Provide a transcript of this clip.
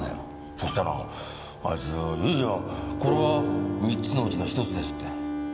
そしたらあいついやいやこれは３つのうちの１つですって。